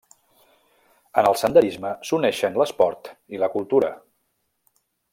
En el senderisme s'uneixen l'esport i la cultura.